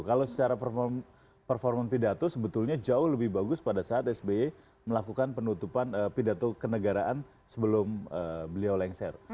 kalau secara performa pidato sebetulnya jauh lebih bagus pada saat sby melakukan penutupan pidato kenegaraan sebelum beliau lengser